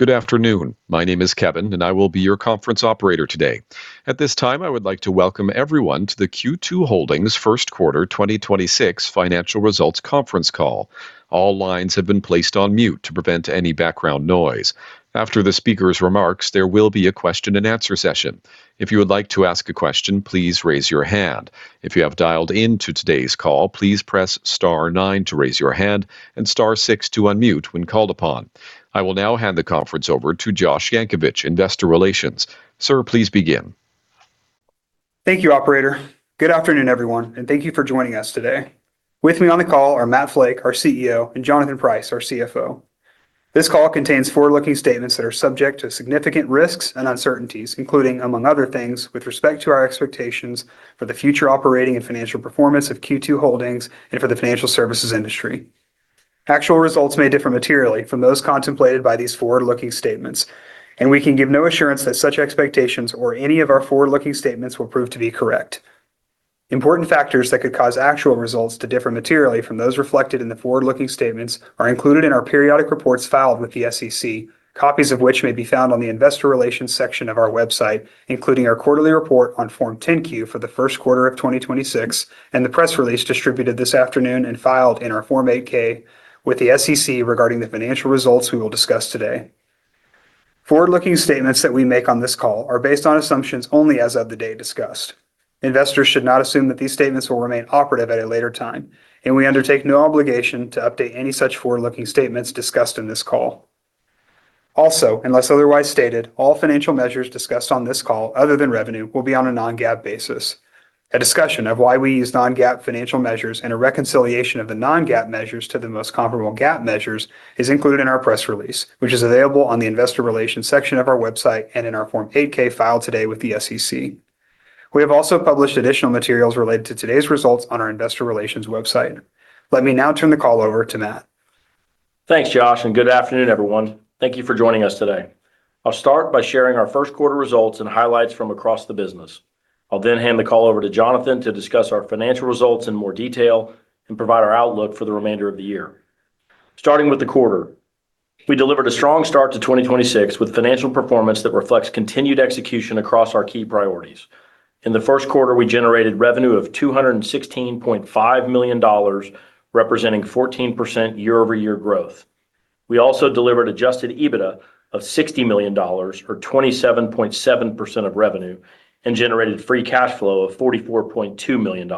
Good afternoon. My name is Kevin, and I will be your conference operator today. At this time, I would like to welcome everyone to the Q2 Holdings First Quarter 2026 financial results conference call. All lines have been placed on mute to prevent any background noise. After the speaker's remarks, there will be a question-and-answer session. If you would like to ask a question, please raise your hand. If you have dialed in to today's call, please press star nine to raise your hand and star six to unmute when called upon. I will now hand the conference over to Josh Yankovich, Investor Relations. Sir, please begin. Thank you, operator. Good afternoon, everyone, and thank you for joining us today. With me on the call are Matt Flake, our CEO, and Jonathan Price, our CFO. This call contains forward-looking statements that are subject to significant risks and uncertainties, including, among other things, with respect to our expectations for the future operating and financial performance of Q2 Holdings and for the financial services industry. Actual results may differ materially from those contemplated by these forward-looking statements, and we can give no assurance that such expectations or any of our forward-looking statements will prove to be correct. Important factors that could cause actual results to differ materially from those reflected in the forward-looking statements are included in our periodic reports filed with the SEC, copies of which may be found on the Investor Relations section of our website, including our quarterly report on Form 10-Q for the first quarter of 2026 and the press release distributed this afternoon and filed in our Form 8-K with the SEC regarding the financial results we will discuss today. Forward-looking statements that we make on this call are based on assumptions only as of the day discussed. Investors should not assume that these statements will remain operative at a later time, and we undertake no obligation to update any such forward-looking statements discussed in this call. Also, unless otherwise stated, all financial measures discussed on this call other than revenue will be on a non-GAAP basis. A discussion of why we use non-GAAP financial measures and a reconciliation of the non-GAAP measures to the most comparable GAAP measures is included in our press release, which is available on the Investor Relations section of our website and in our Form 8-K filed today with the SEC. We have also published additional materials related to today's results on our Investor Relations website. Let me now turn the call over to Matt. Thanks, Josh. Good afternoon, everyone. Thank you for joining us today. I'll start by sharing our first quarter results and highlights from across the business. I'll hand the call over to Jonathan to discuss our financial results in more detail and provide our outlook for the remainder of the year. Starting with the quarter, we delivered a strong start to 2026 with financial performance that reflects continued execution across our key priorities. In the first quarter, we generated revenue of $216.5 million, representing 14% year-over-year growth. We also delivered adjusted EBITDA of $60 million or 27.7% of revenue and generated Free Cash Flow of $44.2 million.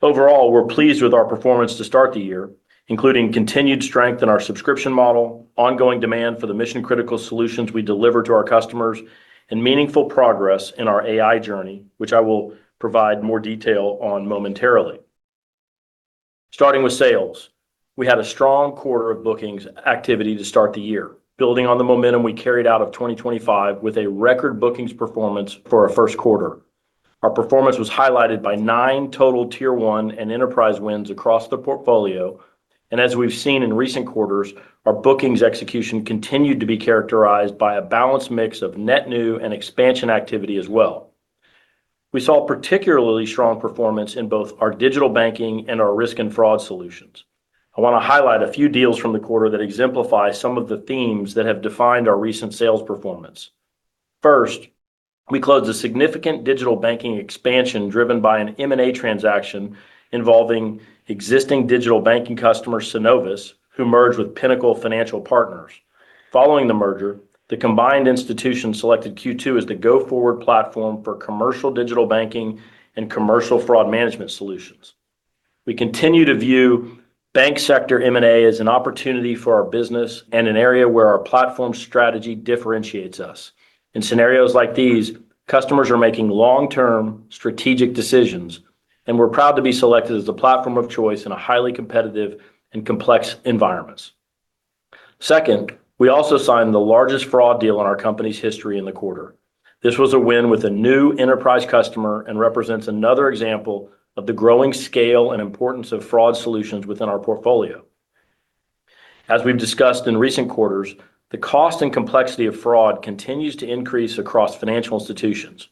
Overall, we're pleased with our performance to start the year, including continued strength in our subscription model, ongoing demand for the mission-critical solutions we deliver to our customers, and meaningful progress in our AI journey, which I will provide more detail on momentarily. Starting with sales, we had a strong quarter of bookings activity to start the year, building on the momentum we carried out of 2025 with a record bookings performance for our first quarter. Our performance was highlighted by nine total Tier 1 and enterprise wins across the portfolio. As we've seen in recent quarters, our bookings execution continued to be characterized by a balanced mix of net new and expansion activity as well. We saw particularly strong performance in both our digital banking and our risk and fraud solutions. I want to highlight a few deals from the quarter that exemplify some of the themes that have defined our recent sales performance. First, we closed a significant digital banking expansion driven by an M&A transaction involving existing digital banking customer Synovus, who merged with Pinnacle Financial Partners. Following the merger, the combined institution selected Q2 as the go-forward platform for commercial digital banking and commercial fraud management solutions. We continue to view bank sector M&A as an opportunity for our business and an area where our platform strategy differentiates us. In scenarios like these, customers are making long-term strategic decisions, and we're proud to be selected as the platform of choice in a highly competitive and complex environments. Second, we also signed the largest fraud deal in our company's history in the quarter. This was a win with a new enterprise customer and represents another example of the growing scale and importance of fraud solutions within our portfolio. As we've discussed in recent quarters, the cost and complexity of fraud continues to increase across financial institutions.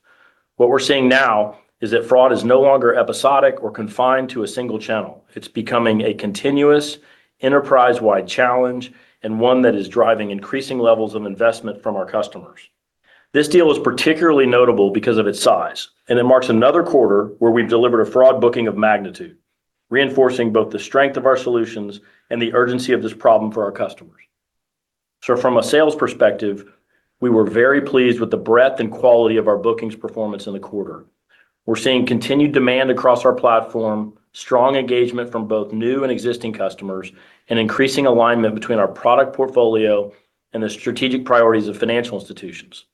What we're seeing now is that fraud is no longer episodic or confined to a single channel. It's becoming a continuous enterprise-wide challenge and one that is driving increasing levels of investment from our customers. This deal is particularly notable because of its size, and it marks another quarter where we've delivered a fraud booking of magnitude, reinforcing both the strength of our solutions and the urgency of this problem for our customers. From a sales perspective, we were very pleased with the breadth and quality of our bookings performance in the quarter. We're seeing continued demand across our platform, strong engagement from both new and existing customers, and increasing alignment between our product portfolio and the strategic priorities of financial Institutions.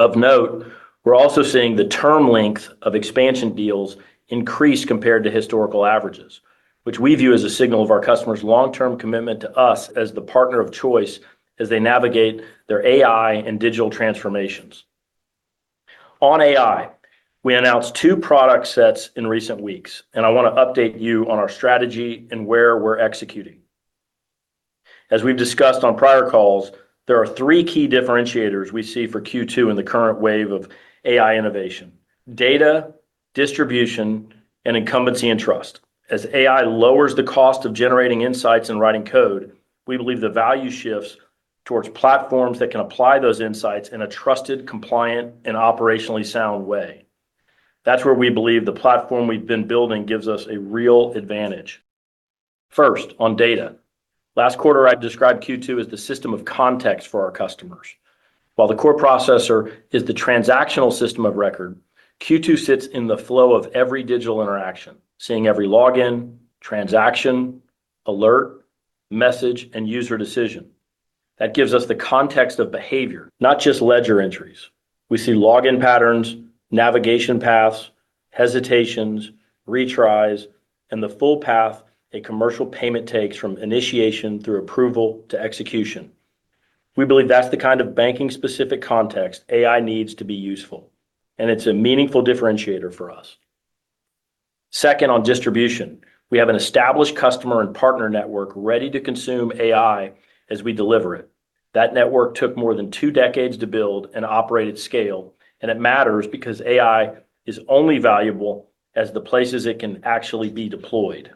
Of note, we're also seeing the term length of expansion deals increase compared to historical averages, which we view as a signal of our customers' long-term commitment to us as the partner of choice as they navigate their AI and digital transformations. On AI, we announced two product sets in recent weeks, and I want to update you on our strategy and where we're executing. As we've discussed on prior calls, there are three key differentiators we see for Q2 in the current wave of AI innovation: data, distribution and incumbency and trust. As AI lowers the cost of generating insights and writing code, we believe the value shifts towards platforms that can apply those insights in a trusted, compliant, and operationally sound way. That's where we believe the platform we've been building gives us a real advantage. First, on data. Last quarter, I described Q2 as the system of context for our customers. While the core processor is the transactional system of record, Q2 sits in the flow of every digital interaction, seeing every login, transaction, alert, message, and user decision. That gives us the context of behavior, not just ledger entries. We see login patterns, navigation paths, hesitations, retries, and the full path a commercial payment takes from initiation through approval to execution. We believe that's the kind of banking-specific context AI needs to be useful, and it's a meaningful differentiator for us. Second, on distribution. We have an established customer and partner network ready to consume AI as we deliver it. That network took more than two decades to build and operate at scale, and it matters because AI is only valuable as the places it can actually be deployed.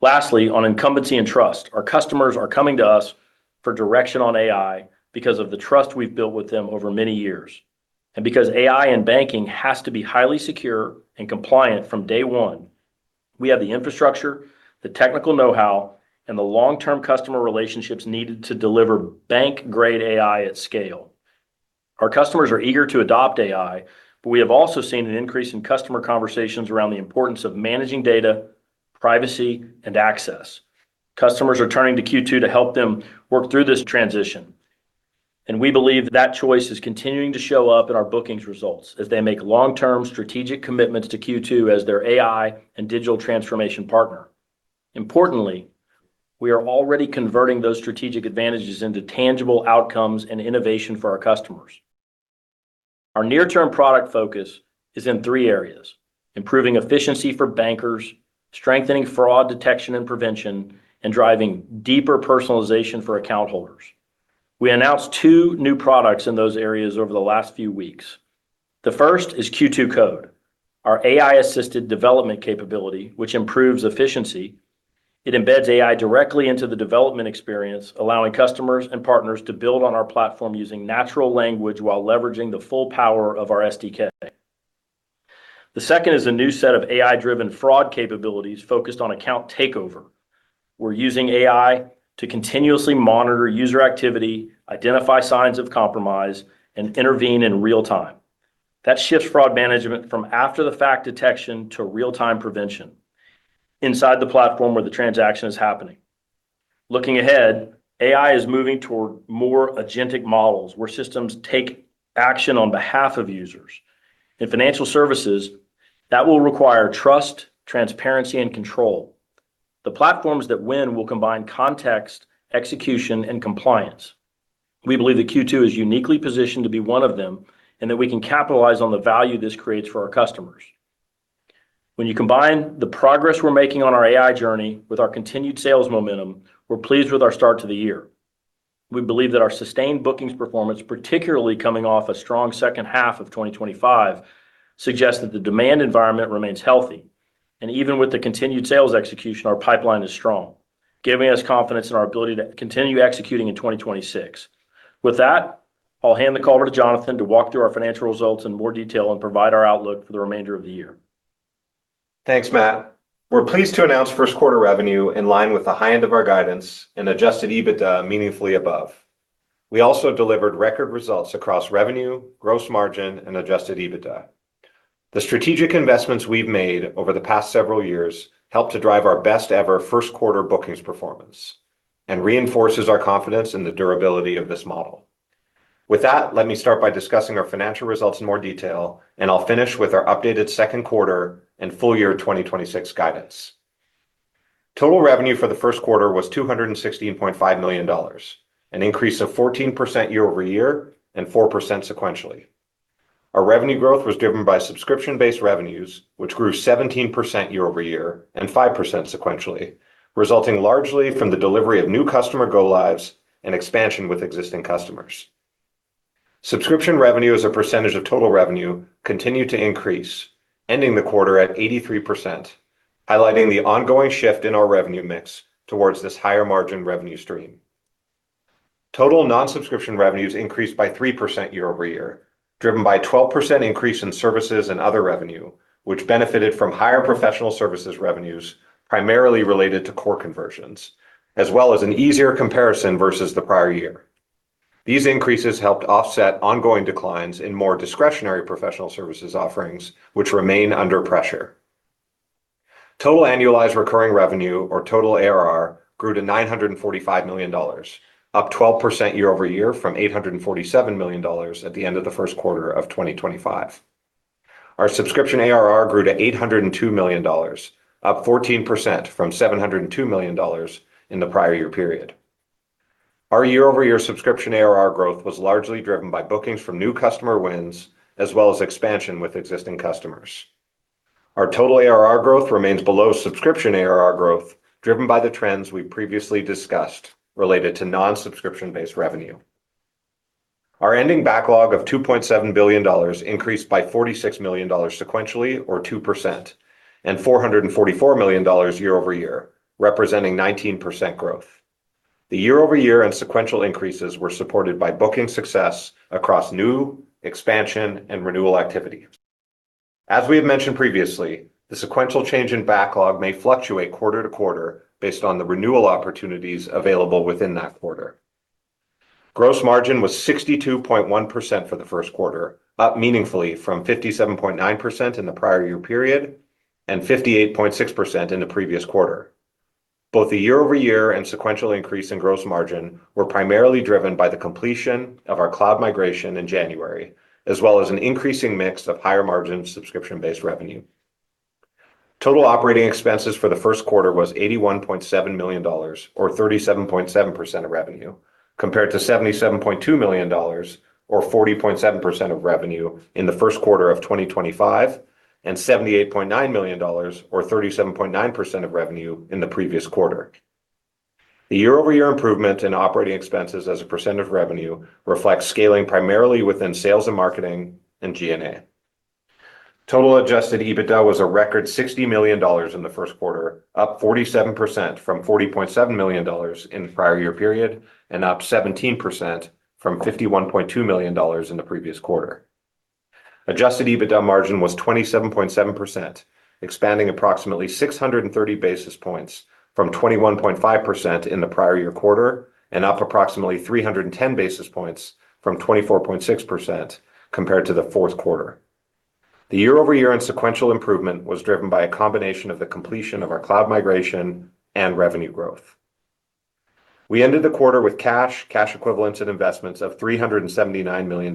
Lastly, on incumbency and trust. Our customers are coming to us for direction on AI because of the trust we've built with them over many years. Because AI and banking has to be highly secure and compliant from day one, we have the infrastructure, the technical know-how, and the long-term customer relationships needed to deliver bank-grade AI at scale. Our customers are eager to adopt AI, we have also seen an increase in customer conversations around the importance of managing data, privacy, and access. Customers are turning to Q2 to help them work through this transition, and we believe that choice is continuing to show up in our bookings results as they make long-term strategic commitments to Q2 as their AI and digital transformation partner. Importantly, we are already converting those strategic advantages into tangible outcomes and innovation for our customers. Our near-term product focus is in three areas: improving efficiency for bankers, strengthening fraud detection and prevention, and driving deeper personalization for account holders. We announced two new products in those areas over the last few weeks. The first is Q2 Code, our AI-assisted development capability which improves efficiency. It embeds AI directly into the development experience, allowing customers and partners to build on our platform using natural language while leveraging the full power of our SDK. The second is a new set of AI-driven fraud capabilities focused on account takeover. We're using AI to continuously monitor user activity, identify signs of compromise, and intervene in real time. That shifts fraud management from after-the-fact detection to real-time prevention inside the platform where the transaction is happening. Looking ahead, AI is moving toward more agentic models where systems take action on behalf of users. In financial services, that will require trust, transparency, and control. The platforms that win will combine context, execution, and compliance. We believe that Q2 is uniquely positioned to be one of them, and that we can capitalize on the value this creates for our customers. When you combine the progress we're making on our AI journey with our continued sales momentum, we're pleased with our start to the year. We believe that our sustained bookings performance, particularly coming off a strong second half of 2025, suggests that the demand environment remains healthy. Even with the continued sales execution, our pipeline is strong, giving us confidence in our ability to continue executing in 2026. With that, I'll hand the call over to Jonathan to walk through our financial results in more detail and provide our outlook for the remainder of the year. Thanks, Matt. We're pleased to announce first quarter revenue in line with the high end of our guidance and adjusted EBITDA meaningfully above. We also delivered record results across revenue, gross margin, and adjusted EBITDA. The strategic investments we've made over the past several years helped to drive our best ever first quarter bookings performance and reinforces our confidence in the durability of this model. With that, let me start by discussing our financial results in more detail, and I'll finish with our updated second quarter and full year 2026 guidance. Total revenue for the first quarter was $216.5 million, an increase of 14% year-over-year and 4% sequentially. Our revenue growth was driven by subscription-based revenues, which grew 17% year-over-year and 5% sequentially, resulting largely from the delivery of new customer go-lives and expansion with existing customers. Subscription revenue as a percentage of total revenue continued to increase, ending the quarter at 83%, highlighting the ongoing shift in our revenue mix towards this higher margin revenue stream. Total non-subscription revenues increased by 3% year-over-year, driven by a 12% increase in services and other revenue, which benefited from higher professional services revenues primarily related to core conversions, as well as an easier comparison versus the prior year. These increases helped offset ongoing declines in more discretionary professional services offerings which remain under pressure. Total annualized recurring revenue or total ARR grew to $945 million, up 12% year-over-year from $847 million at the end of the first quarter of 2025. Our subscription ARR grew to $802 million, up 14% from $702 million in the prior year period. Our year-over-year subscription ARR growth was largely driven by bookings from new customer wins as well as expansion with existing customers. Our total ARR growth remains below subscription ARR growth, driven by the trends we previously discussed related to non-subscription-based revenue. Our ending backlog of $2.7 billion increased by $46 million sequentially, or 2%, and $444 million year-over-year, representing 19% growth. The year-over-year and sequential increases were supported by booking success across new expansion and renewal activity. As we have mentioned previously, the sequential change in backlog may fluctuate quarter to quarter based on the renewal opportunities available within that quarter. Gross margin was 62.1% for the first quarter, up meaningfully from 57.9% in the prior year period and 58.6% in the previous quarter. Both the year-over-year and sequential increase in gross margin were primarily driven by the completion of our cloud migration in January, as well as an increasing mix of higher margin subscription-based revenue. Total operating expenses for the first quarter was $81.7 million, or 37.7% of revenue, compared to $77.2 million, or 40.7% of revenue in the first quarter of 2025, and $78.9 million, or 37.9% of revenue in the previous quarter. The year-over-year improvement in operating expenses as a percent of revenue reflects scaling primarily within sales and marketing and G&A. Total adjusted EBITDA was a record $60 million in the first quarter, up 47% from $40.7 million in the prior year period, and up 17% from $51.2 million in the previous quarter. Adjusted EBITDA margin was 27.7%, expanding approximately 630 basis points from 21.5% in the prior year quarter, and up approximately 310 basis points from 24.6% compared to the fourth quarter. The year-over-year and sequential improvement was driven by a combination of the completion of our cloud migration and revenue growth. We ended the quarter with cash equivalents and investments of $379 million,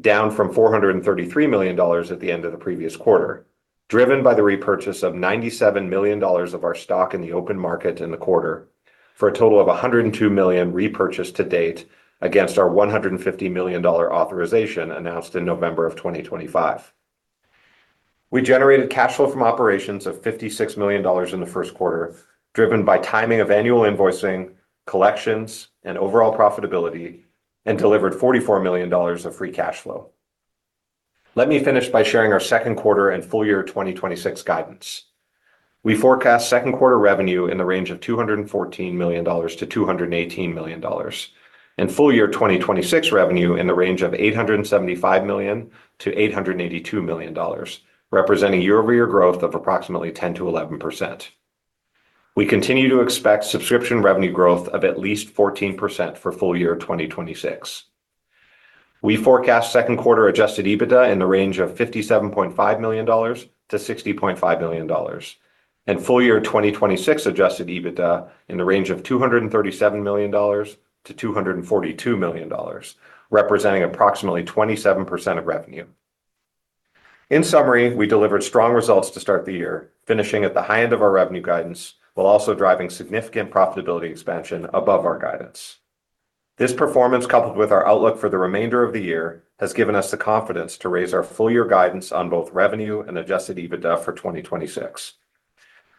down from $433 million at the end of the previous quarter, driven by the repurchase of $97 million of our stock in the open market in the quarter for a total of $102 million repurchased to date against our $150 million authorization announced in November 2025. We generated cash flow from operations of $56 million in the first quarter, driven by timing of annual invoicing, collections and overall profitability, and delivered $44 million of Free Cash Flow. Let me finish by sharing our second quarter and full year 2026 guidance. We forecast second quarter revenue in the range of $214 million-$218 million, and full year 2026 revenue in the range of $875 million-$882 million, representing year-over-year growth of approximately 10%-11%. We continue to expect subscription revenue growth of at least 14% for full year 2026. We forecast second quarter adjusted EBITDA in the range of $57.5 million-$60.5 million. Full year 2026 adjusted EBITDA in the range of $237 million-$242 million, representing approximately 27% of revenue. In summary, we delivered strong results to start the year, finishing at the high end of our revenue guidance, while also driving significant profitability expansion above our guidance. This performance, coupled with our outlook for the remainder of the year, has given us the confidence to raise our full year guidance on both revenue and adjusted EBITDA for 2026.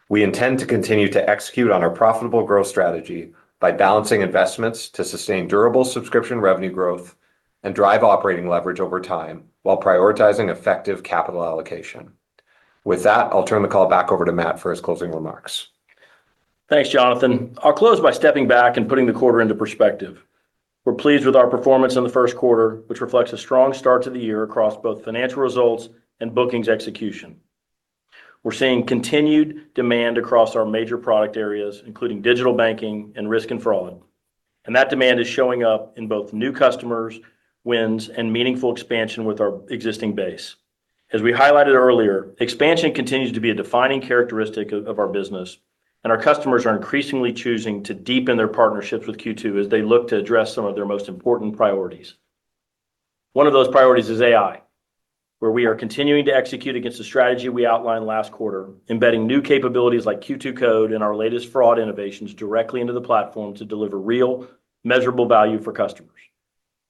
We intend to continue to execute on our profitable growth strategy by balancing investments to sustain durable subscription revenue growth and drive operating leverage over time, while prioritizing effective capital allocation. With that, I'll turn the call back over to Matt for his closing remarks. Thanks, Jonathan. I'll close by stepping back and putting the quarter into perspective. We're pleased with our performance in the first quarter, which reflects a strong start to the year across both financial results and bookings execution. We're seeing continued demand across our major product areas, including digital banking and risk and fraud. That demand is showing up in both new customers, wins, and meaningful expansion with our existing base. As we highlighted earlier, expansion continues to be a defining characteristic of our business. Our customers are increasingly choosing to deepen their partnerships with Q2 as they look to address some of their most important priorities. One of those priorities is AI, where we are continuing to execute against the strategy we outlined last quarter, embedding new capabilities like Q2 Code and our latest fraud innovations directly into the platform to deliver real measurable value for customers.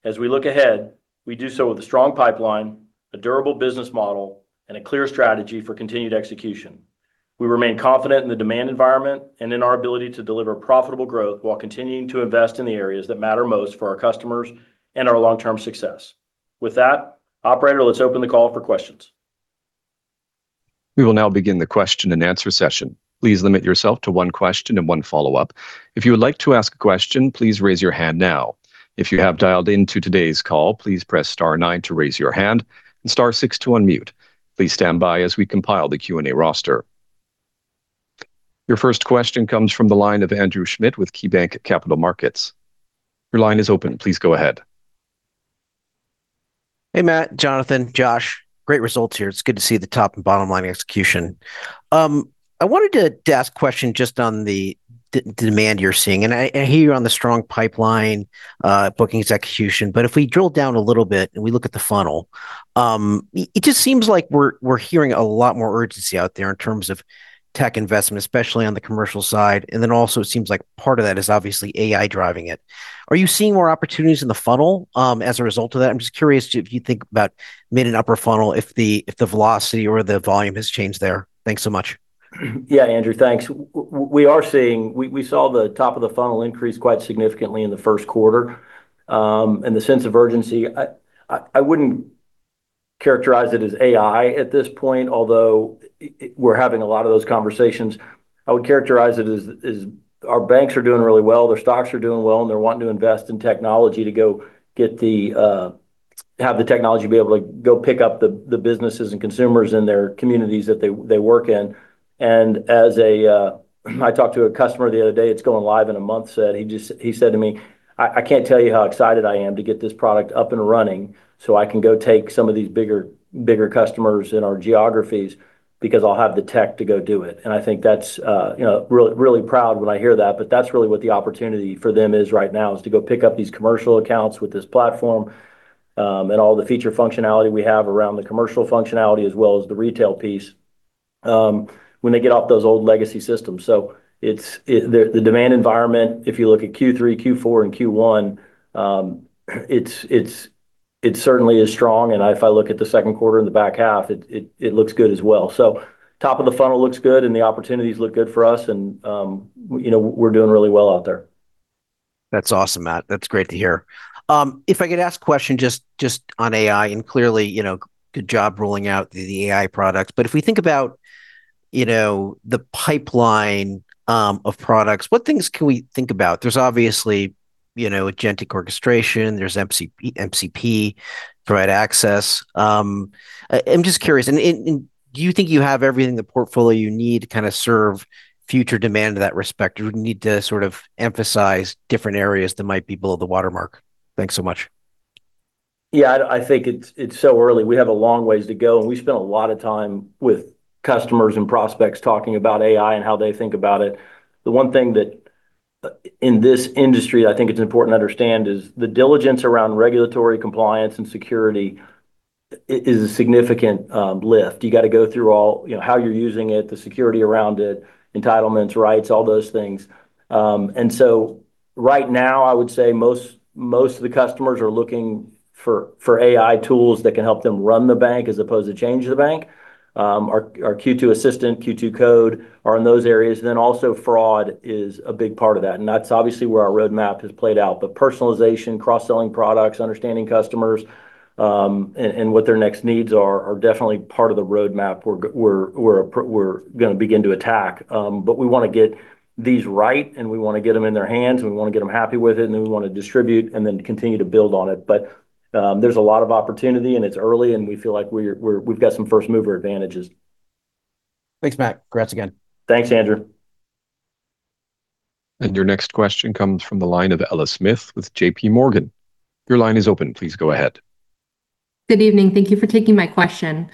As we look ahead, we do so with a strong pipeline, a durable business model, and a clear strategy for continued execution. We remain confident in the demand environment and in our ability to deliver profitable growth while continuing to invest in the areas that matter most for our customers and our long-term success. With that, operator, let's open the call for questions. We will now begin the question and answer session. Please limit yourself to one question and one follow-up. If you would like to ask a question, please raise your hand now. If you have dialed into today's call, please press star nine to raise your hand and star six to unmute. Please stand by as we compile the Q and A roster. Your first question comes from the line of Andrew Schmidt with KeyBanc Capital Markets. Your line is open. Please go ahead. Hey, Matt, Jonathan, Josh, great results here. It's good to see the top and bottom line execution. I wanted to ask a question just on the demand you're seeing. I hear you on the strong pipeline, bookings execution, if we drill down a little bit and we look at the funnel, it just seems like we're hearing a lot more urgency out there in terms of tech investment, especially on the commercial side, and then also it seems like part of that is obviously AI driving it. Are you seeing more opportunities in the funnel as a result of that? I'm just curious if you think about mid and upper funnel, if the velocity or the volume has changed there. Thanks so much. Yeah, Andrew, thanks. We saw the top of the funnel increase quite significantly in the first quarter, and the sense of urgency, I wouldn't characterize it as AI at this point, although we're having a lot of those conversations. I would characterize it as our banks are doing really well, their stocks are doing well, and they're wanting to invest in technology to go get the, have the technology to be able to go pick up the businesses and consumers in their communities that they work in. I talked to a customer the other day that's going live in a month, said. He said to me, "I can't tell you how excited I am to get this product up and running so I can go take some of these bigger customers in our geographies because I'll have the tech to go do it." I think that's, you know, really proud when I hear that. That's really what the opportunity for them is right now, is to go pick up these commercial accounts with this platform, and all the feature functionality we have around the commercial functionality as well as the retail piece, when they get off those old legacy systems. It's. The demand environment, if you look at Q3, Q4, and Q1, it certainly is strong. If I look at the second quarter and the back half, it looks good as well. Top of the funnel looks good and the opportunities look good for us and, you know, we're doing really well out there. That's awesome, Matt. That's great to hear. If I could ask a question just on AI, clearly, you know, good job rolling out the AI products. If we think about, you know, the pipeline of products, what things can we think about? There's obviously, you know, agentic orchestration, there's MCP, provide access. I'm just curious, do you think you have everything in the portfolio you need to kind of serve future demand in that respect? Do you need to sort of emphasize different areas that might be below the watermark? Thanks so much. I think it's so early. We have a long ways to go, and we spend a lot of time with customers and prospects talking about AI and how they think about it. The one thing that in this industry I think it's important to understand is the diligence around regulatory compliance and security is a significant lift. You got to go through all, you know, how you're using it, the security around it, entitlements, rights, all those things. Right now I would say most of the customers are looking for AI tools that can help them run the bank as opposed to change the bank. Our Q2 Assistant, Q2 Code are in those areas. Also fraud is a big part of that, and that's obviously where our roadmap has played out. Personalization, cross-selling products, understanding customers, and what their next needs are definitely part of the roadmap we're gonna begin to attack. We wanna get these right and we wanna get them in their hands and we wanna get them happy with it, and then we want to distribute and then continue to build on it. There's a lot of opportunity and it's early and we feel like we've got some first-mover advantages. Thanks, Matt. Congrats again. Thanks, Andrew. Your next question comes from the line of Ella Smith with JPMorgan. Your line is open. Please go ahead. Good evening. Thank you for taking my question.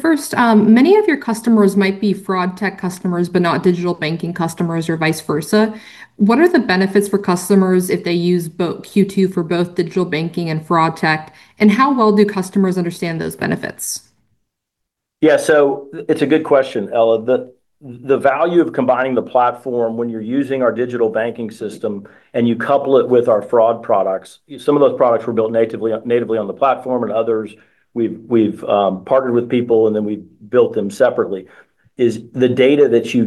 First, many of your customers might be fraud tech customers but not digital banking customers or vice versa. What are the benefits for customers if they use both Q2 for both digital banking and fraud tech? How well do customers understand those benefits? It's a good question, Ella. The value of combining the platform when you're using our digital banking system and you couple it with our fraud products, some of those products were built natively on the platform and others we've partnered with people and then we built them separately, is you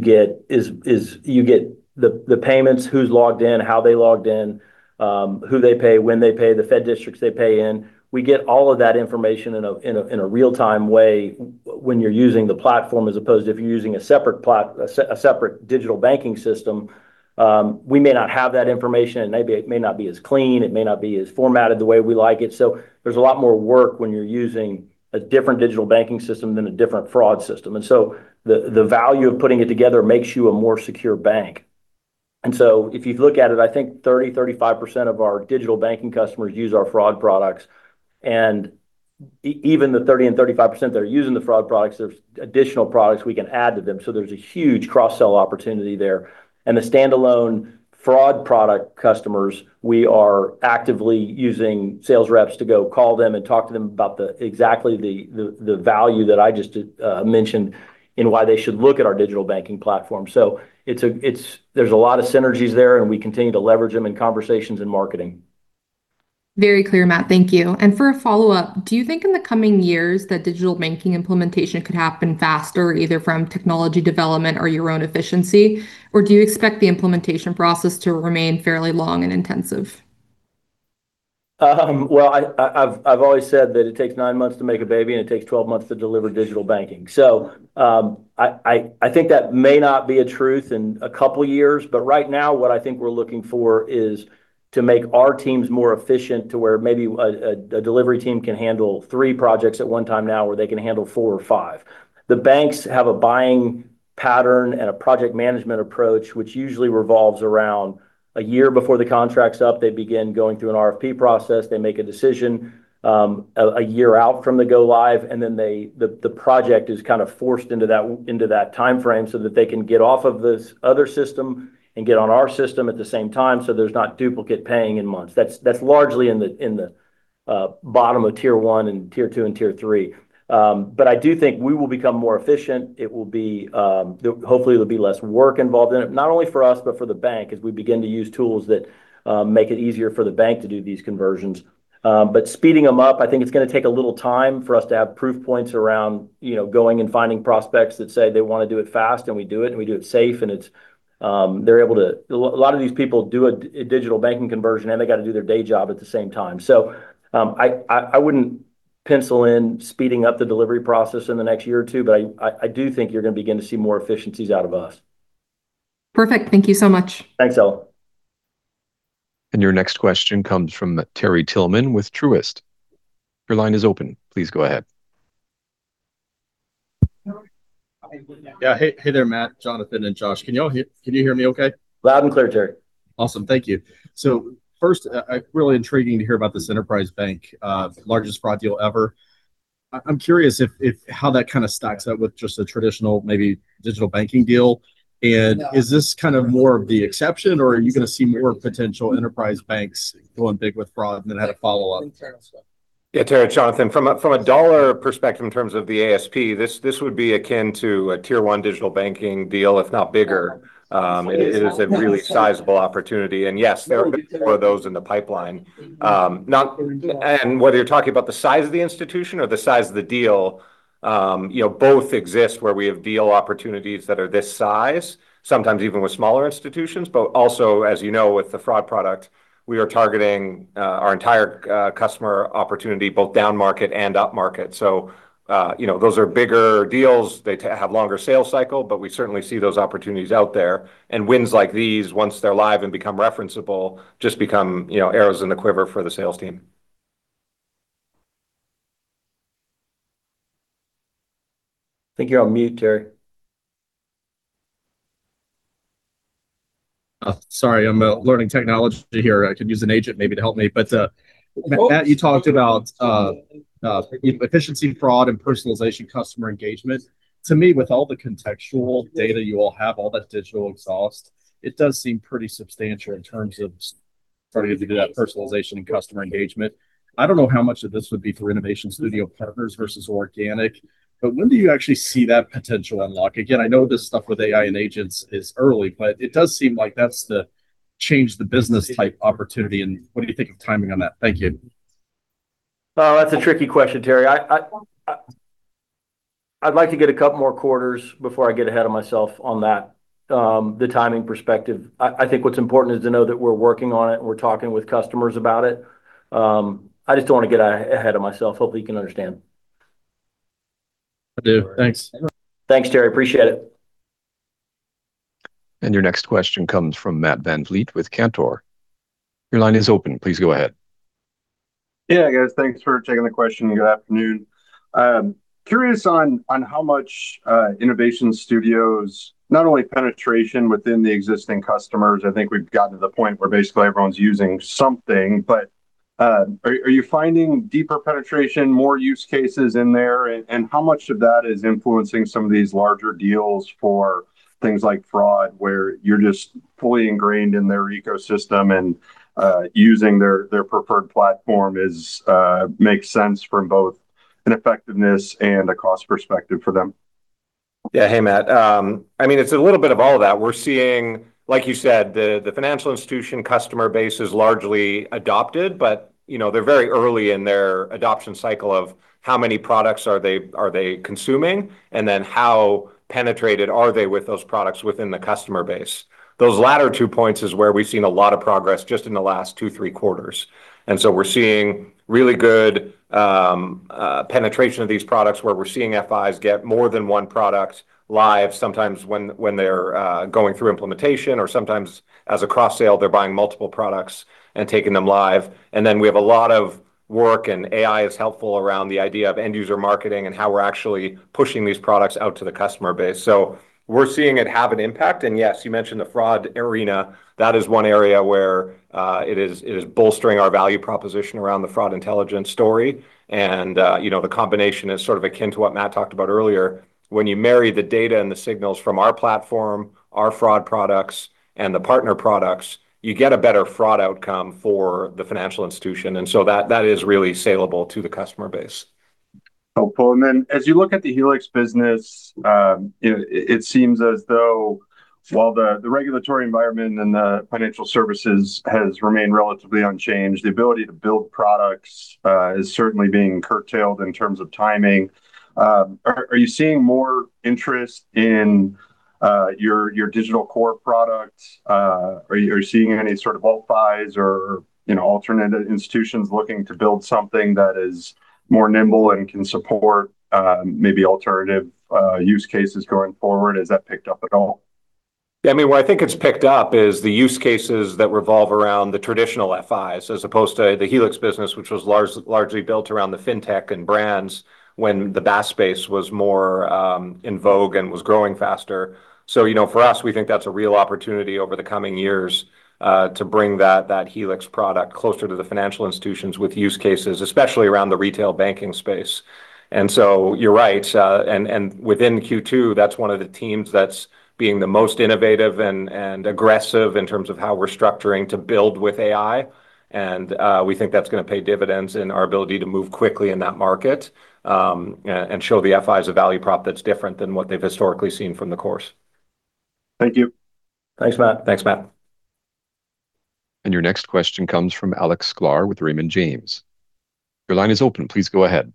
get the payments, who's logged in, how they logged in, who they pay, when they pay, the Fed districts they pay in. We get all of that information in a real-time way when you're using the platform as opposed to if you're using a separate digital banking system. We may not have that information and maybe it may not be as clean, it may not be as formatted the way we like it. There's a lot more work when you're using a different digital banking system than a different fraud system. The value of putting it together makes you a more secure bank. If you look at it, I think 30%, 35% of our digital banking customers use our fraud products. Even the 30% and 35% that are using the fraud products, there's additional products we can add to them. There's a huge cross-sell opportunity there. The standalone fraud product customers, we are actively using sales reps to go call them and talk to them about exactly the value that I just mentioned and why they should look at our digital banking platform. There's a lot of synergies there, and we continue to leverage them in conversations and marketing. Very clear, Matt. Thank you. For a follow-up, do you think in the coming years that digital banking implementation could happen faster either from technology development or your own efficiency? Or do you expect the implementation process to remain fairly long and intensive? Well, I've always said that it takes nine months to make a baby and it takes 12 months to deliver digital banking. I think that may not be a truth in a couple of years, but right now what I think we're looking for is to make our teams more efficient to where maybe a delivery team can handle three projects at one time now where they can handle four or five. The banks have a buying pattern and a project management approach which usually revolves around a year before the contract's up, they begin going through an RFP process. They make a decision, a year out from the go live. The project is kind of forced into that timeframe so that they can get off of this other system and get on our system at the same time so there's not duplicate paying in months. That's largely in the bottom of Tier 1 and Tier 2 and Tier 3. I do think we will become more efficient. It will be, hopefully there'll be less work involved in it, not only for us but for the bank as we begin to use tools that make it easier for the bank to do these conversions. Speeding them up, I think it's gonna take a little time for us to have proof points around, you know, going and finding prospects that say they wanna do it fast and we do it and we do it safe. A lot of these people do a digital banking conversion and they got to do their day job at the same time. I wouldn't pencil in speeding up the delivery process in the next year or two, but I do think you're gonna begin to see more efficiencies out of us. Perfect. Thank you so much. Thanks, Ella. Your next question comes from Terry Tillman with Truist. Your line is open. Please go ahead. Yeah. Hey, hey there, Matt, Jonathan, and Josh. Can you hear me okay? Loud and clear, Terry. Awesome. Thank you. First, really intriguing to hear about this enterprise bank, largest fraud deal ever. I'm curious if how that kind of stacks up with just the traditional maybe digital banking deal. Is this kind of more of the exception, or are you gonna see more potential enterprise banks going big with fraud? I had a follow-up. Yeah, Terry, Jonathan. From a dollar perspective in terms of the ASP, this would be akin to a Tier 1 digital banking deal, if not bigger. It is a really sizable opportunity. Yes, there are a bit more of those in the pipeline. Whether you're talking about the size of the institution or the size of the deal, you know, both exist where we have deal opportunities that are this size, sometimes even with smaller institutions. Also, as you know, with the fraud product, we are targeting our entire customer opportunity, both down market and up market. You know, those are bigger deals. They have longer sales cycle, but we certainly see those opportunities out there. Wins like these, once they're live and become referenceable, just become, you know, arrows in the quiver for the sales team. I think you're on mute, Terry. Oh, sorry. I'm learning technology here. I could use an agent maybe to help me. Well- Matt, you talked about efficiency fraud and personalization customer engagement. To me, with all the contextual data you all have, all that digital exhaust, it does seem pretty substantial in terms of starting to do that personalization and customer engagement. I don't know how much of this would be through Innovation Studio partners versus organic. When do you actually see that potential unlock? Again, I know this stuff with AI and agents is early, but it does seem like that's the change the business type opportunity. What do you think of timing on that? Thank you. Oh, that's a tricky question, Terry. I'd like to get a couple more quarters before I get ahead of myself on that, the timing perspective. I think what's important is to know that we're working on it and we're talking with customers about it. I just don't want to get ahead of myself. Hopefully you can understand. I do. Thanks. Thanks, Terry. Appreciate it. Your next question comes from Matthew VanVliet with Cantor Fitzgerald. Your line is open. Please go ahead. Yeah, guys. Thanks for taking the question. Good afternoon. Curious on how much Innovation Studio, not only penetration within the existing customers, I think we've gotten to the point where basically everyone's using something. Are you finding deeper penetration, more use cases in there? How much of that is influencing some of these larger deals for things like fraud, where you're just fully ingrained in their ecosystem and, using their preferred platform is, makes sense from both an effectiveness and a cost perspective for them? Yeah. Hey, Matt. I mean, it's a little bit of all of that. We're seeing, like you said, the financial institution customer base is largely adopted, but you know, they're very early in their adoption cycle of how many products are they consuming, and then how penetrated are they with those products within the customer base. Those latter two points is where we've seen a lot of progress just in the last two, three quarters. We're seeing really good penetration of these products, where we're seeing FIs get more than one product live sometimes when they're going through implementation, or sometimes as a cross sale they're buying multiple products and taking them live. We have a lot of work, and AI is helpful around the idea of end user marketing and how we're actually pushing these products out to the customer base. We're seeing it have an impact. Yes, you mentioned the fraud arena. That is one area where it is bolstering our value proposition around the fraud intelligence story. You know, the combination is sort of akin to what Matt talked about earlier. When you marry the data and the signals from our platform, our fraud products, and the partner products, you get a better fraud outcome for the financial institution. That is really saleable to the customer base. Helpful. As you look at the Helix business, you know, it seems as though while the regulatory environment and the financial services has remained relatively unchanged, the ability to build products is certainly being curtailed in terms of timing. Are you seeing more interest in your digital core product? Are you seeing any sort of Alt-FIs or, you know, alternate institutions looking to build something that is more nimble and can support maybe alternative use cases going forward? Has that picked up at all? Yeah. I mean, where I think it's picked up is the use cases that revolve around the traditional FIs as opposed to the Helix business, which was largely built around the fintech and brands when the BaaS space was more in vogue and was growing faster. You know, for us, we think that's a real opportunity over the coming years to bring that Helix product closer to the financial institutions with use cases, especially around the retail banking space. You're right. Within Q2, that's one of the teams that's being the most innovative and aggressive in terms of how we're structuring to build with AI. We think that's gonna pay dividends in our ability to move quickly in that market, and show the FIs a value prop that's different than what they've historically seen from the cores. Thank you. Thanks, Matt. Thanks, Matt. Your next question comes from Alex Sklar with Raymond James. Your line is open. Please go ahead.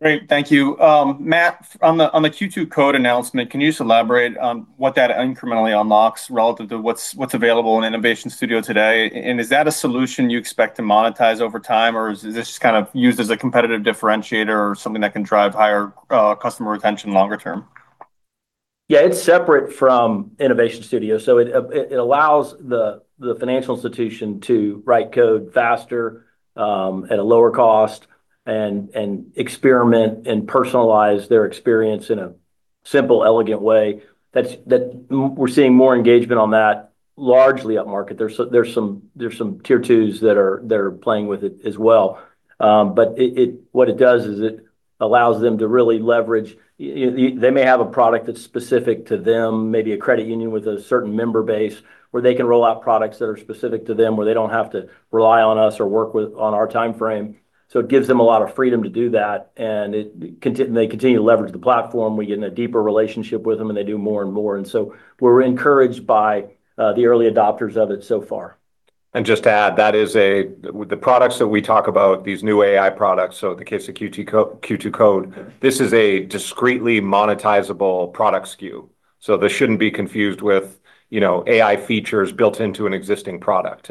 Great. Thank you. Matt, on the, on the Q2 Code announcement, can you just elaborate on what that incrementally unlocks relative to what's available in Innovation Studio today? Is that a solution you expect to monetize over time, or is this kind of used as a competitive differentiator or something that can drive higher, customer retention longer term? Yeah. It's separate from Q2 Innovation Studio, so it allows the financial institution to write code faster, at a lower cost and experiment and personalize their experience in a simple, elegant way. We're seeing more engagement on that largely upmarket. There's some tier twos that are playing with it as well. But what it does is it allows them to really leverage they may have a product that's specific to them, maybe a credit union with a certain member base where they can roll out products that are specific to them, where they don't have to rely on us or work with on our timeframe. It gives them a lot of freedom to do that, and they continue to leverage the platform. We get in a deeper relationship with them, and they do more and more. We're encouraged by the early adopters of it so far. Just to add, that is a with the products that we talk about, these new AI products, so in the case of Q2 Code, this is a discreetly monetizable product SKU. This shouldn't be confused with, you know, AI features built into an existing product.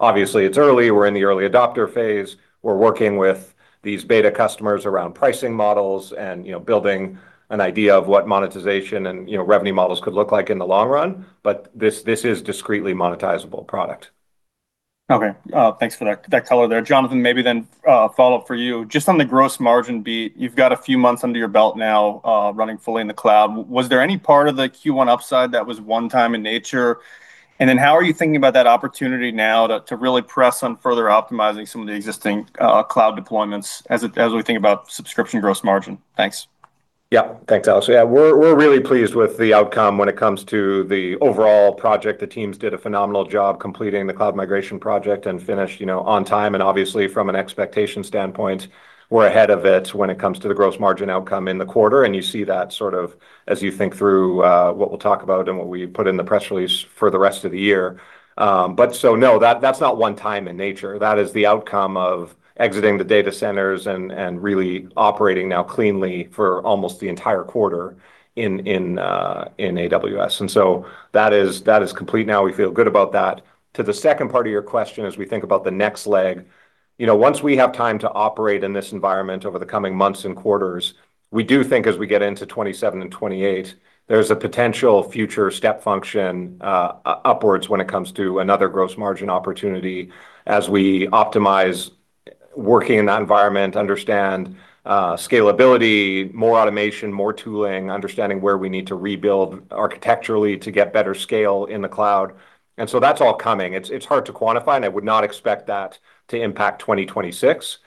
Obviously it's early. We're in the early adopter phase. We're working with these beta customers around pricing models and, you know, building an idea of what monetization and, you know, revenue models could look like in the long run. This is discreetly monetizable product. Okay. Thanks for that color there. Jonathan, maybe then a follow-up for you. Just on the gross margin beat, you've got a few months under your belt now, running fully in the cloud. Was there any part of the Q1 upside that was one time in nature? How are you thinking about that opportunity now to really press on further optimizing some of the existing cloud deployments as it, as we think about subscription gross margin? Thanks. Thanks, Alex. We're really pleased with the outcome when it comes to the overall project. The teams did a phenomenal job completing the cloud migration project and finished, you know, on time and obviously from an expectation standpoint, we're ahead of it when it comes to the gross margin outcome in the quarter. You see that sort of as you think through what we'll talk about and what we put in the press release for the rest of the year. No, that's not one-time in nature. That is the outcome of exiting the data centers and really operating now cleanly for almost the entire quarter in AWS. That is complete now. We feel good about that. To the second part of your question, as we think about the next leg, you know, once we have time to operate in this environment over the coming months and quarters, we do think as we get into 2027 and 2028, there's a potential future step function upwards when it comes to another gross margin opportunity as we optimize working in that environment, understand scalability, more automation, more tooling, understanding where we need to rebuild architecturally to get better scale in the cloud. That's all coming. It's hard to quantify, and I would not expect that to impact 2026.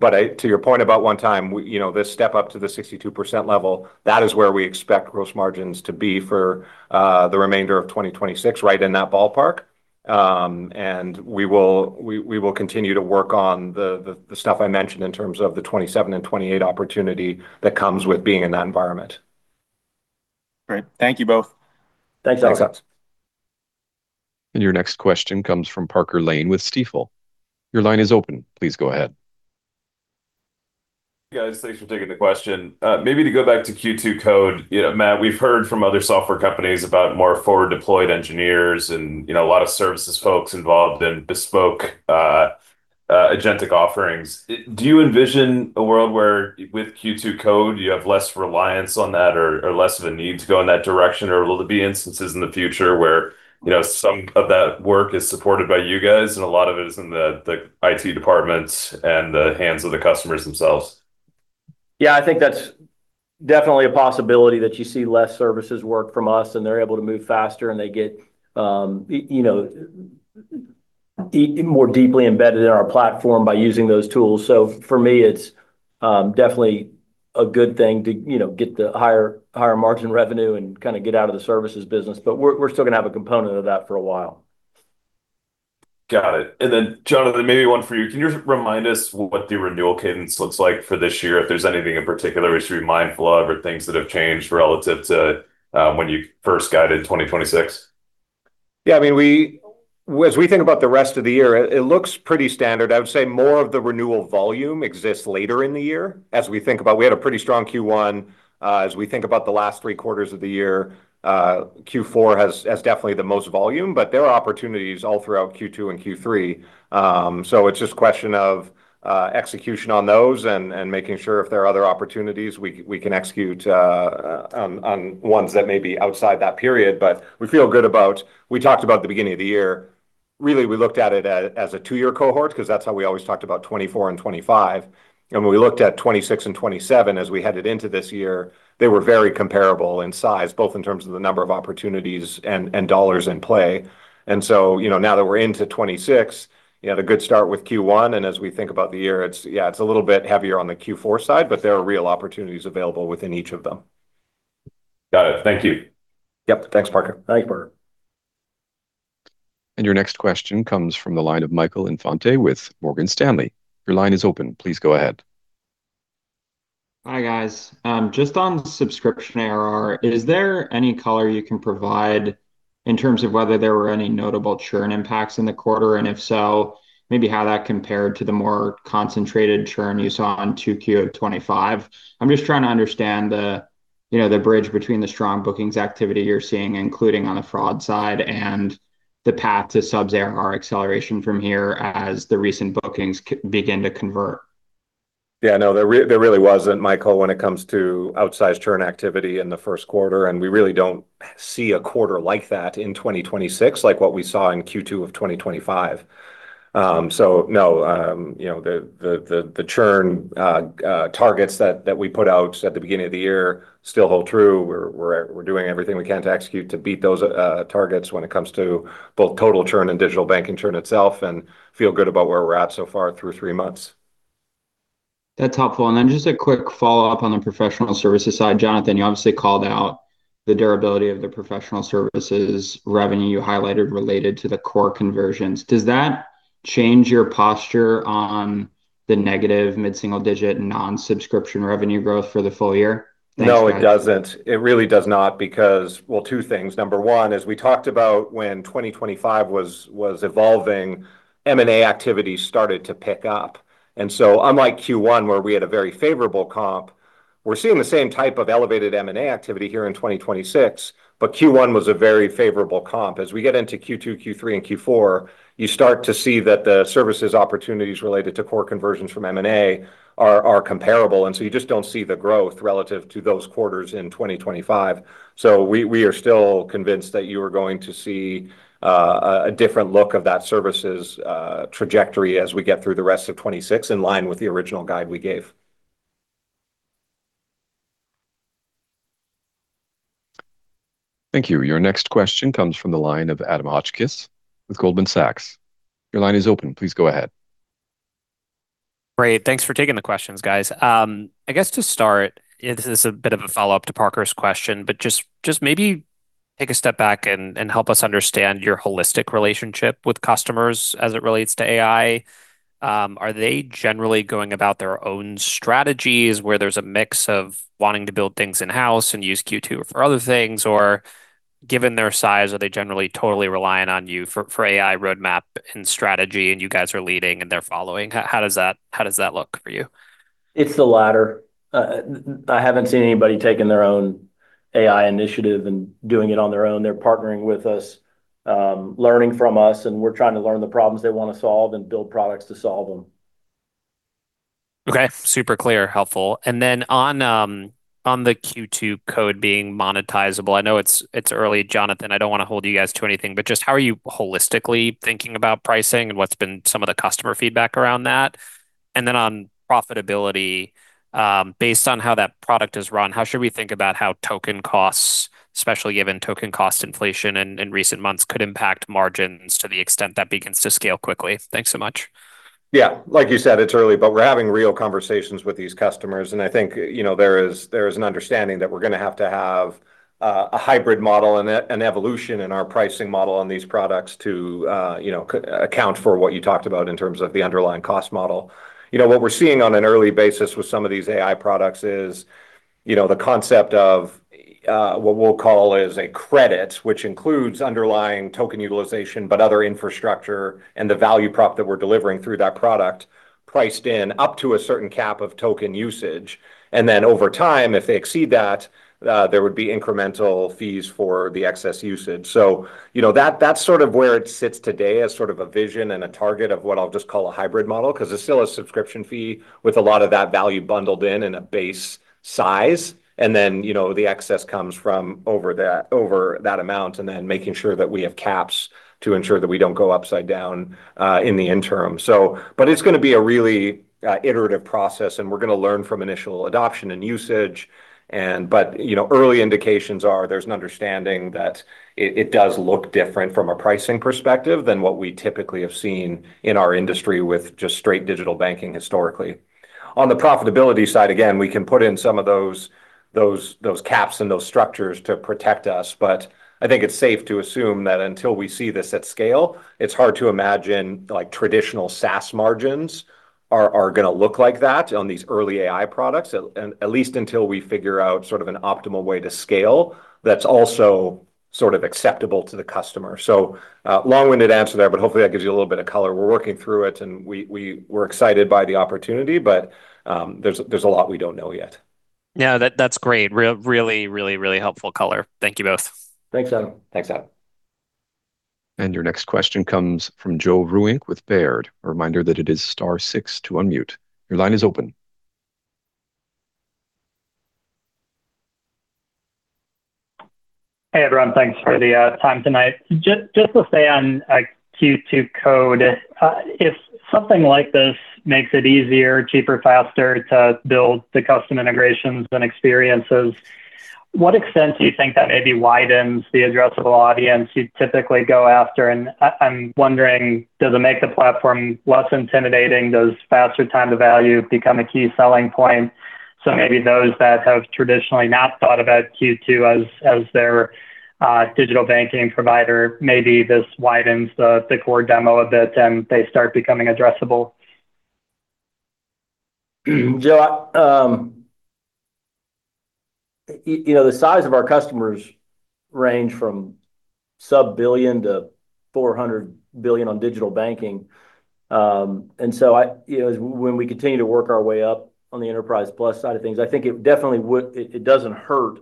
To your point about one time, we, you know, this step up to the 62% level, that is where we expect gross margins to be for the remainder of 2026, right in that ballpark. We will continue to work on the stuff I mentioned in terms of the 2027 and 2028 opportunity that comes with being in that environment. Great. Thank you both. Thanks, Alex. Thanks. Your next question comes from Parker Lane with Stifel. Your line is open. Please go ahead. Guys, thanks for taking the question. Maybe to go back to Q2 Code, you know, Matt, we've heard from other software companies about more forward deployed engineers and, you know, a lot of services folks involved in bespoke, agentic offerings. Do you envision a world where with Q2 Code, you have less reliance on that or less of a need to go in that direction? Will there be instances in the future where, you know, some of that work is supported by you guys, and a lot of it is in the IT departments and the hands of the customers themselves? I think that's definitely a possibility that you see less services work from us, and they're able to move faster, and they get, you know, more deeply embedded in our platform by using those tools. For me, it's definitely a good thing to, you know, get the higher margin revenue and kind of get out of the services business. We're still gonna have a component of that for a while. Got it. Then, Jonathan, maybe one for you. Can you remind us what the renewal cadence looks like for this year? If there's anything in particular we should be mindful of or things that have changed relative to when you first guided 2026. Yeah. I mean, as we think about the rest of the year, it looks pretty standard. I would say more of the renewal volume exists later in the year. As we think about, we had a pretty strong Q1. As we think about the last three quarters of the year, Q4 has definitely the most volume, but there are opportunities all throughout Q2 and Q3. It's just a question of execution on those and making sure if there are other opportunities we can execute on ones that may be outside that period. We feel good about. We talked about the beginning of the year. Really, we looked at it as a two-year cohort because that's how we always talked about 2024 and 2025. When we looked at 2026 and 2027 as we headed into this year, they were very comparable in size, both in terms of the number of opportunities and dollars in play. You know, now that we're into 2026, you had a good start with Q1, and as we think about the year, it's, yeah, it's a little bit heavier on the Q4 side, but there are real opportunities available within each of them. Got it. Thank you. Yep. Thanks, Parker. Thanks, Parker. Your next question comes from the line of Michael Infante with Morgan Stanley. Hi, guys. Just on subscription ARR, is there any color you can provide in terms of whether there were any notable churn impacts in the quarter? If so, maybe how that compared to the more concentrated churn you saw in 2Q of 2025. I'm just trying to understand the, you know, the bridge between the strong bookings activity you're seeing, including on the fraud side, and the path to subs ARR acceleration from here as the recent bookings begin to convert. Yeah, no, there really wasn't, Michael, when it comes to outsized churn activity in the first quarter, and we really don't see a quarter like that in 2026 like what we saw in Q2 of 2025. No, you know, the churn targets that we put out at the beginning of the year still hold true. We're doing everything we can to execute to beat those targets when it comes to both total churn and digital banking churn itself and feel good about where we're at so far through three months. That's helpful. Just a quick follow-up on the professional services side. Jonathan, you obviously called out the durability of the professional services revenue you highlighted related to the core conversions. Does that change your posture on the negative mid-single digit non-subscription revenue growth for the full year? Thanks, guys. No, it doesn't. It really does not because, well, two things. Number one, as we talked about when 2025 was evolving, M&A activity started to pick up. Unlike Q1, where we had a very favorable comp, we're seeing the same type of elevated M&A activity here in 2026, but Q1 was a very favorable comp. As we get into Q2, Q3, and Q4, you start to see that the services opportunities related to core conversions from M&A are comparable, and so you just don't see the growth relative to those quarters in 2025. We are still convinced that you are going to see a different look of that services trajectory as we get through the rest of 2026 in line with the original guide we gave. Thank you. Your next question comes from the line of Adam Hotchkiss with Goldman Sachs. Your line is open. Please go ahead. Great. Thanks for taking the questions, guys. I guess to start, this is a bit of a follow-up to Parker's question, just maybe take a step back and help us understand your holistic relationship with customers as it relates to AI. Are they generally going about their own strategies where there's a mix of wanting to build things in-house and use Q2 for other things? Given their size, are they generally totally reliant on you for AI roadmap and strategy, and you guys are leading and they're following? How does that look for you? It's the latter. I haven't seen anybody taking their own AI initiative and doing it on their own. They're partnering with us, learning from us, and we're trying to learn the problems they want to solve and build products to solve them. Okay. Super clear, helpful. On the Q2 Code being monetizable, I know it's early, Jonathan. I don't want to hold you guys to anything, but just how are you holistically thinking about pricing and what's been some of the customer feedback around that? On profitability, based on how that product is run, how should we think about how token costs, especially given token cost inflation in recent months, could impact margins to the extent that begins to scale quickly? Thanks so much. Like you said, it's early, but we're having real conversations with these customers, and I think, you know, there is, there is an understanding that we're gonna have to have a hybrid model and an evolution in our pricing model on these products to, you know, account for what you talked about in terms of the underlying cost model. You know, what we're seeing on an early basis with some of these AI products is, you know, the concept of what we'll call is a credit, which includes underlying token utilization, but other infrastructure and the value prop that we're delivering through that product priced in up to a certain cap of token usage. Over time, if they exceed that, there would be incremental fees for the excess usage. You know, that's sort of where it sits today as sort of a vision and a target of what I'll just call a hybrid model, 'cause it's still a subscription fee with a lot of that value bundled in in a base size. Then, you know, the excess comes from over that, over that amount, and then making sure that we have caps to ensure that we don't go upside down in the interim. But it's gonna be a really iterative process, and we're gonna learn from initial adoption and usage. But, you know, early indications are there's an understanding that it does look different from a pricing perspective than what we typically have seen in our industry with just straight digital banking historically. On the profitability side, again, we can put in some of those caps and those structures to protect us. I think it's safe to assume that until we see this at scale, it's hard to imagine, like, traditional SaaS margins are gonna look like that on these early AI products at least until we figure out sort of an optimal way to scale that's also sort of acceptable to the customer. Long-winded answer there, hopefully that gives you a little bit of color. We're working through it, we're excited by the opportunity, there's a lot we don't know yet. No, that's great. Really helpful color. Thank you both. Thanks, Adam. Thanks, Adam. Your next question comes from Joe Ruane with Baird. A reminder that it is star six to unmute. Your line is open. Hey, everyone. Thanks for the time tonight. Just to stay on, like, Q2 Code, if something like this makes it easier, cheaper, faster to build the custom integrations and experiences, what extent do you think that maybe widens the addressable audience you typically go after? I'm wondering, does it make the platform less intimidating? Does faster time to value become a key selling point? Maybe those that have traditionally not thought about Q2 as their digital banking provider, maybe this widens the core demo a bit and they start becoming addressable. Joe, you know, the size of our customers range from sub-billion to $400 billion on digital banking. I, you know, as when we continue to work our way up on the enterprise plus side of things, I think it definitely would. It doesn't hurt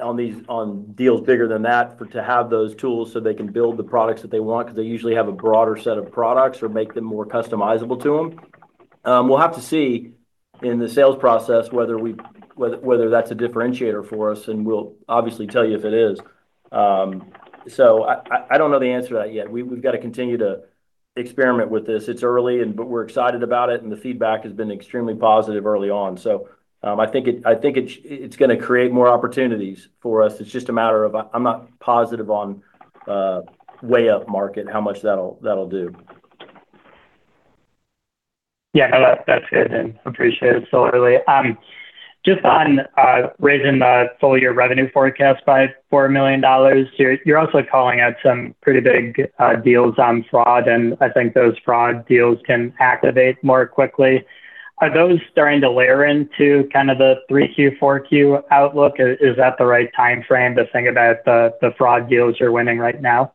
on these, on deals bigger than that for to have those tools so they can build the products that they want because they usually have a broader set of products or make them more customizable to them. We'll have to see in the sales process whether we, whether that's a differentiator for us, and we'll obviously tell you if it is. I don't know the answer to that yet. We've got to continue to experiment with this. It's early and but we're excited about it, and the feedback has been extremely positive early on. I think it's gonna create more opportunities for us. It's just a matter of I'm not positive on way up market, how much that'll do. Yeah. That's good and appreciate it. Early. Just on raising the full year revenue forecast by $4 million. You're also calling out some pretty big deals on fraud, and I think those fraud deals can activate more quickly. Are those starting to layer into kind of the Q3, Q4 outlook? Is that the right time toe to think about the fraud deals you're winning right now?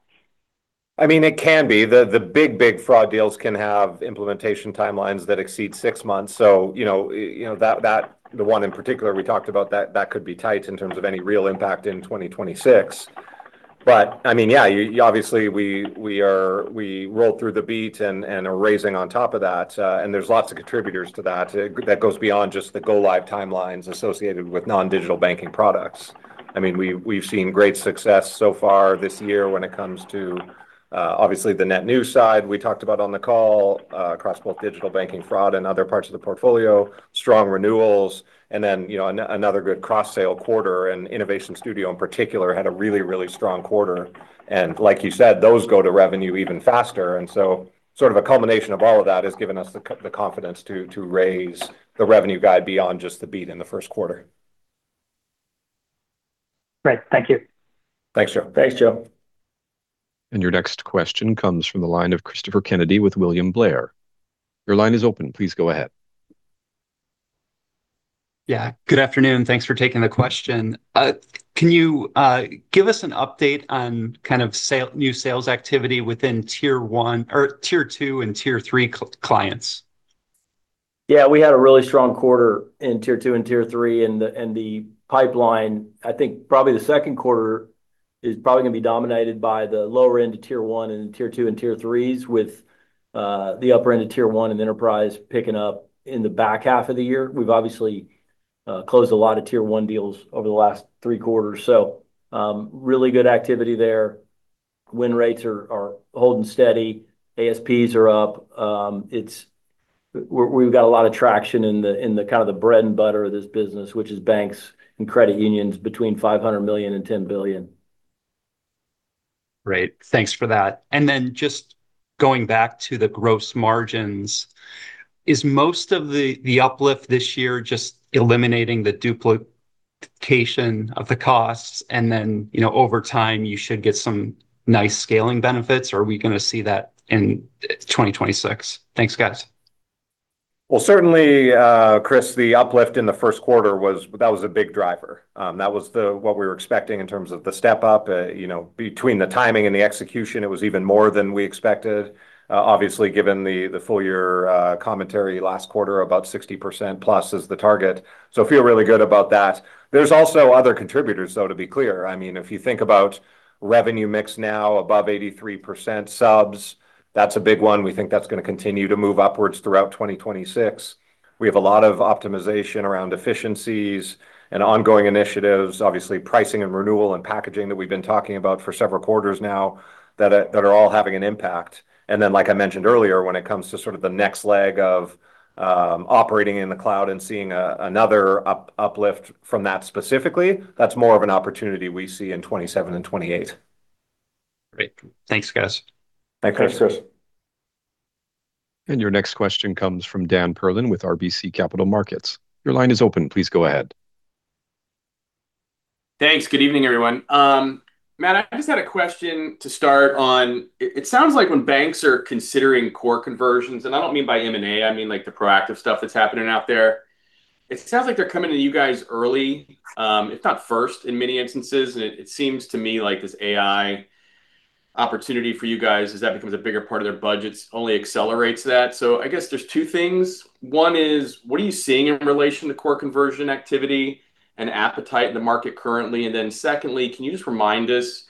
I mean, it can be. The big fraud deals can have implementation timelines that exceed six months. You know that, the one in particular we talked about that could be tight in terms of any real impact in 2026. I mean, yeah, you, obviously we rolled through the beat and are raising on top of that, and there's lots of contributors to that that goes beyond just the go live timelines associated with non-digital banking products. I mean, we've seen great success so far this year when it comes to, obviously the net new side we talked about on the call, across both digital banking fraud and other parts of the portfolio, strong renewals, and then, you know, another good cross sale quarter and Q2 Innovation Studio in particular had a really strong quarter. Like you said, those go to revenue even faster. Sort of a culmination of all of that has given us the confidence to raise the revenue guide beyond just the beat in the first quarter. Great. Thank you. Thanks, Joe. Thanks, Joe. Your next question comes from the line of Christopher Kennedy with William Blair. Your line is open. Please go ahead. Yeah, good afternoon. Thanks for taking the question. Can you give us an update on kind of new sales activity within Tier 1 or Tier 2 and Tier 3 clients? We had a really strong quarter in Tier 2 and Tier 3 and the pipeline. I think probably the second quarter is probably gonna be dominated by the lower end of Tier 1and Tier 2 and Tier 3s with the upper end of tier one and enterprise picking up in the back half of the year. We've obviously closed a lot of tier one deals over the last three quarters. Really good activity there. Win rates are holding steady. ASPs are up. We've got a lot of traction in the kind of the bread and butter of this business, which is banks and credit unions between $500 million and $10 billion. Great. Thanks for that. Just going back to the gross margins, is most of the uplift this year just eliminating the duplication of the costs and then, you know, over time you should get some nice scaling benefits? Are we gonna see that in 2026? Thanks, guys. Well, certainly, Chris, the uplift in the first quarter was that was a big driver. That was the, what we were expecting in terms of the step up. You know, between the timing and the execution, it was even more than we expected. Obviously, given the full year commentary last quarter, about 60%+ is the target. Feel really good about that. There's also other contributors, though, to be clear. I mean, if you think about revenue mix now above 83% subs, that's a big one. We think that's gonna continue to move upwards throughout 2026. We have a lot of optimization around efficiencies and ongoing initiatives, obviously pricing and renewal and packaging that we've been talking about for several quarters now that are all having an impact. Like I mentioned earlier, when it comes to sort of the next leg of operating in the cloud and seeing another uplift from that specifically, that's more of an opportunity we see in 2027 and 2028. Great. Thanks, guys. Bye, Chris. Thanks, Chris. Your next question comes from Dan Perlin with RBC Capital Markets. Your line is open. Please go ahead. Thanks. Good evening, everyone. Matt, I just had a question to start on. It sounds like when banks are considering core conversions, and I don't mean by M&A, I mean like the proactive stuff that's happening out there. It sounds like they're coming to you guys early, if not first in many instances. It seems to me like this AI opportunity for you guys, as that becomes a bigger part of their budgets, only accelerates that. I guess there's two things. One is, what are you seeing in relation to core conversion activity and appetite in the market currently? Then secondly, can you just remind us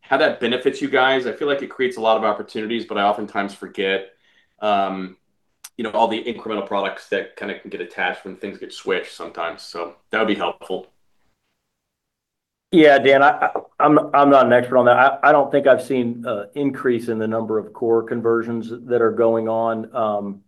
how that benefits you guys? I feel like it creates a lot of opportunities, but I oftentimes forget, you know, all the incremental products that kind of can get attached when things get switched sometimes. That would be helpful. Yeah, Dan, I'm not an expert on that. I don't think I've seen an increase in the number of core conversions that are going on.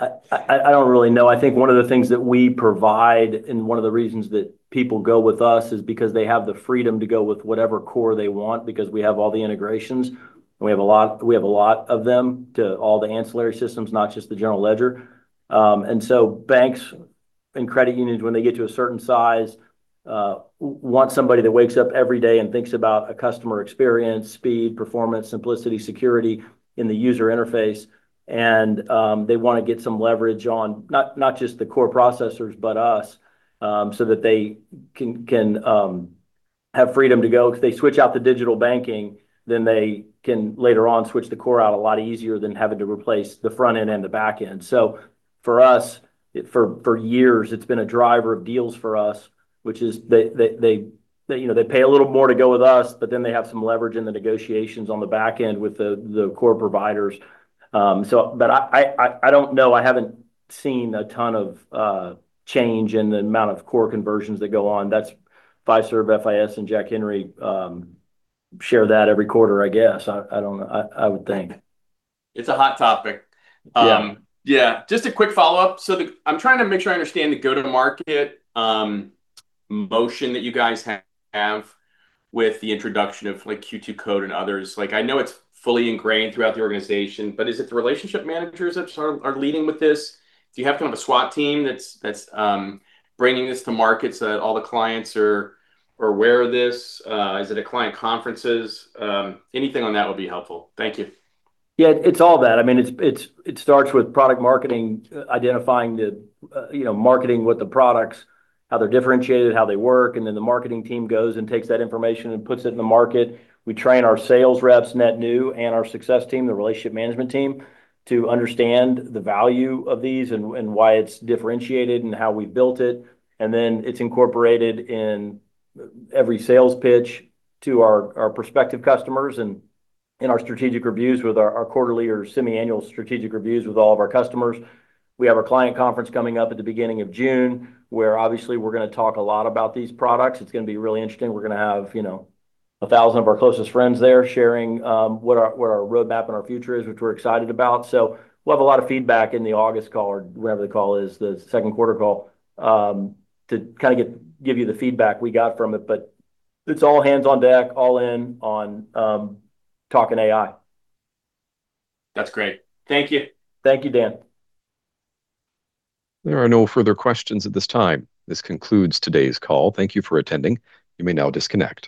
I don't really know. I think one of the things that we provide and one of the reasons that people go with us is because they have the freedom to go with whatever core they want because we have all the integrations. We have a lot of them to all the ancillary systems, not just the general ledger. Banks and credit unions, when they get to a certain size, want somebody that wakes up every day and thinks about a customer experience, speed, performance, simplicity, security in the user interface. They wanna get some leverage on not just the core processors, but us, so that they can have freedom to go. Cause they switch out the digital banking, then they can later on switch the core out a lot easier than having to replace the front end and the back end. For us, for years it's been a driver of deals for us, which is they, you know, they pay a little more to go with us, but then they have some leverage in the negotiations on the back end with the core providers. But I don't know. I haven't seen a ton of change in the amount of core conversions that go on. That's Fiserv, FIS, and Jack Henry share that every quarter, I guess. I don't know. I would think. It's a hot topic. Yeah. Yeah. Just a quick follow-up. I'm trying to make sure I understand the go-to-market motion that you guys have with the introduction of like Q2 Code and others. Like I know it's fully ingrained throughout the organization, but is it the relationship managers which are leading with this? Do you have kind of a SWAT team that's bringing this to market so that all the clients are aware of this? Is it at client conferences? Anything on that would be helpful. Thank you. Yeah. It's all that. I mean, it starts with product marketing, identifying the, you know, marketing with the products, how they're differentiated, how they work, the marketing team goes and takes that information and puts it in the market. We train our sales reps, net new, and our success team, the relationship management team, to understand the value of these and why it's differentiated and how we built it. It's incorporated in every sales pitch to our prospective customers and in our strategic reviews with our quarterly or semi-annual strategic reviews with all of our customers. We have our client conference coming up at the beginning of June, where obviously we're gonna talk a lot about these products. It's gonna be really interesting. We're gonna have, you know, 1,000 of our closest friends there sharing where our roadmap and our future is, which we're excited about. We'll have a lot of feedback in the August call or whenever the call is, the second quarter call, to kind of give you the feedback we got from it. It's all hands on deck, all in on talking AI. That's great. Thank you. Thank you, Dan. There are no further questions at this time. This concludes today's call. Thank you for attending. You may now disconnect.